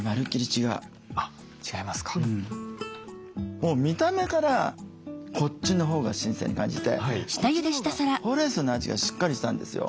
もう見た目からこっちのほうが新鮮に感じてこっちのほうがほうれんそうの味がしっかりしたんですよ。